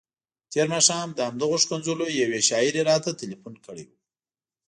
تېر ماښام د همدغو ښکنځلو یوې شاعرې راته تلیفون کړی وو.